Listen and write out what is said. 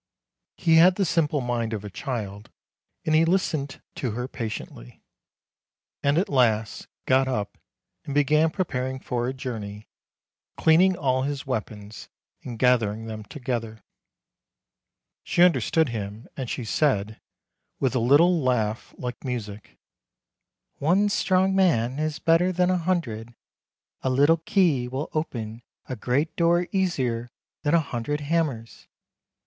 " He had the simple mind of a child, and he listened to her patiently, and at last got up and began preparing for a journey, cleaning all his weapons, and gathering them together. She understood him, and she said, with a little laugh like music :" One strong man is better than a hundred — a little key will open a great door easier than a hundred hammers.